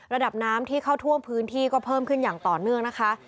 ระดับน้ำที่เข้าท่วมพื้นที่ก็เพิ่มขึ้นอย่างต่อเนื่องนะคะ